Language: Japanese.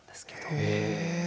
へえ。